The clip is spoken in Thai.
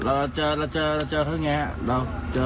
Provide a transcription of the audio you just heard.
แล้วเราเจอเหมือนไงเราเจอ